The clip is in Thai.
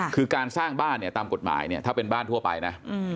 คือการสร้างบ้านเนี่ยตามกฎหมายเนี่ยถ้าเป็นบ้านทั่วไปนะ